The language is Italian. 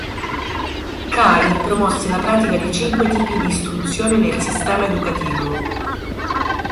Cai promosse la pratica di cinque tipi di istruzione nel sistema educativo.